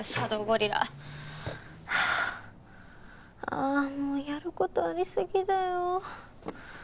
ああもうやる事ありすぎだよ。